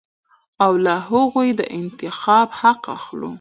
او له هغوى د انتخاب حق اخلو.